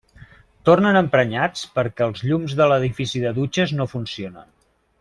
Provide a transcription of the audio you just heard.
Tornen emprenyats perquè els llums de l'edifici de dutxes no funcionen.